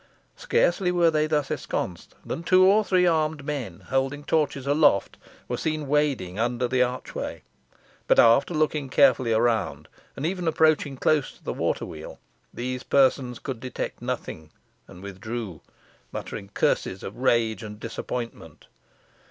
Scarcely were they thus ensconced, than two or three armed men, holding torches aloft, were seen wading under the archway; but after looking carefully around, and even approaching close to the water wheel, these persons could detect nothing, and withdrew, muttering curses of rage and disappointment.